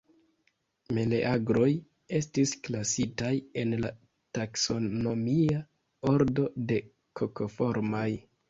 Meleagroj estis klasitaj en la taksonomia ordo de Kokoformaj.